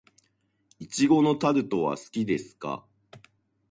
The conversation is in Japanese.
苺のタルトは好きですか。